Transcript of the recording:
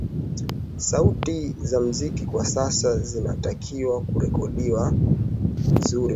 sauti za muziki kwa sasa zinatakiwa kurekodiwa vizuri